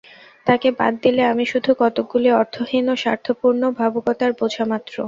তাঁকে বাদ দিলে আমি শুধু কতকগুলি অর্থহীন ও স্বার্থপূর্ণ ভাবুকতার বোঝা মাত্র।